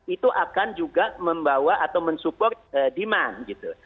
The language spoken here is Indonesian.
itu akan juga membawa atau mensupport demand gitu